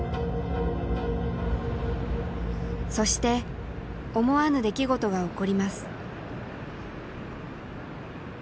そして思わぬ出来事が起こります。